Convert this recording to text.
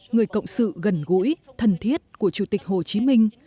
người cộng sự gần gũi thần thiết của chủ tịch hồ chí minh